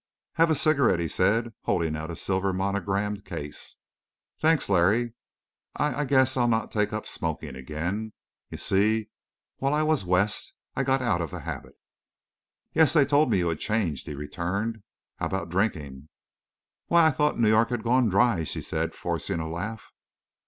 "Have a cigarette," he said, holding out his silver monogrammed case. "Thanks, Larry. I—I guess I'll not take up smoking again. You see, while I was West I got out of the habit." "Yes, they told me you had changed," he returned. "How about drinking?" "Why, I thought New York had gone dry!" she said, forcing a laugh.